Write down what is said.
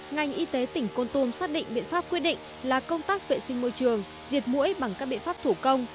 ngành y tế tỉnh con tum xác định biện pháp quyết định là công tác vệ sinh môi trường diệt mũi bằng các biện pháp thủ công